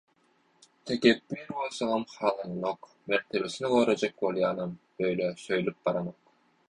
Tekepbir bolsaňam halanaňok, mertebesini gorajak bolýanam beýle söýlüp baranok.